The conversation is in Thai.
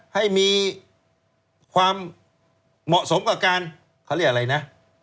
ให้มีความเหมาะสมกับการเขาเรียกอะไรนะ